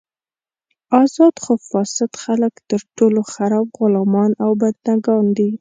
ازاد خو فاسد خلک تر ټولو خراب غلامان او بندګان دي.